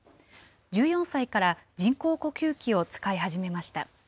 １４歳から人工呼吸器を使い始めました。